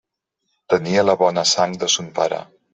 Tenia la bona sang de son pare.